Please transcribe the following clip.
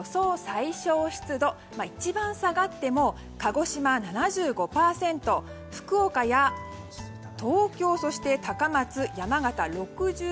最小湿度一番下がっても鹿児島７５％福岡や東京、そして高松、山形６５％。